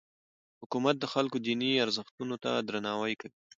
حکومت د خلکو دیني ارزښتونو ته درناوی کوي.